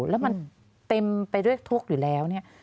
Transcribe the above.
แล้วมันเต็มไปด้วยทุกข์อยู่แล้วเนี่ย